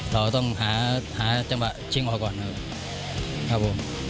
เราต้องหาจังหวะชิงออกก่อนครับผม